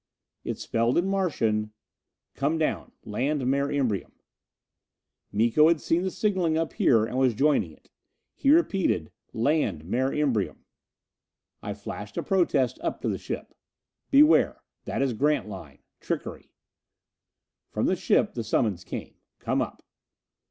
It spelled in Martian, "Come down. Land Mare Imbrium." Miko had seen the signalling up here and was joining it! He repeated, "Land Mare Imbrium." I flashed a protest up to the ship: "Beware! That is Grantline! Trickery!" From the ship the summons came: "_Come up.